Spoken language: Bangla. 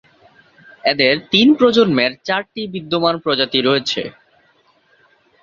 এদের তিন প্রজন্মের চারটি বিদ্যমান প্রজাতি রয়েছে।